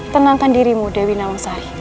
tenangkan dirimu dewi nawasari